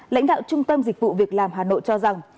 lãnh đạo trung tâm dịch vụ việc làm hà nội cho rằng